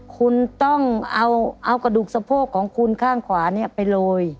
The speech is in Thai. คุณต้องเอากระดูกสะโพกของคุณข้างขวาไปโรย